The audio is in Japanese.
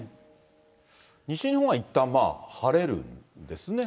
西日本はいったん晴れるんですね。